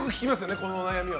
この悩みは。